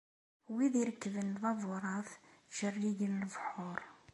Wid irekkben lbaburat, ttcerrigen lebḥur.